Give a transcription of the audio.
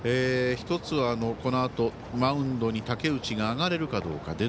１つ、このあとマウンドに武内が上がれるかどうか。